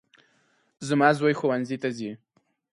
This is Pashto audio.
زما زوی ښوونځي ته ځي